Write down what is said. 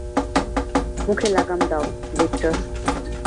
মুখে লাগাম দাও, ভিক্টর।